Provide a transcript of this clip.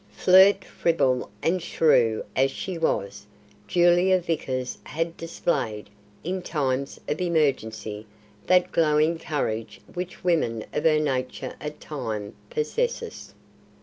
Flirt, fribble, and shrew as she was, Julia Vickers had displayed, in times of emergency, that glowing courage which women of her nature at times possess.